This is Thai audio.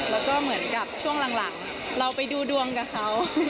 แล้วก็เหมือนกับช่วงหลังเราไปดูดวงกับเขา